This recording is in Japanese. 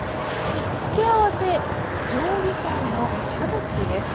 付け合わせ常備菜のキャベツです。